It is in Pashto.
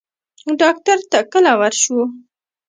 ډاکټر ته کله ورشو؟